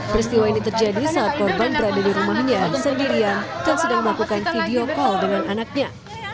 peristiwa ini terjadi saat korban berada di rumahnya sendirian dan sedang melakukan video call dengan anaknya